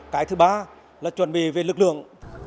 cái thứ ba là chuẩn bị về lực lượng